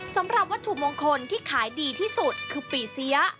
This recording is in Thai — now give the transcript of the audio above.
สำหรับวัตถุมงคลที่ขายดีที่สุดคือปีเสีย